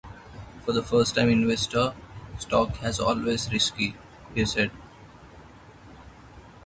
"For a first-time investor, stocks are always risky," he said.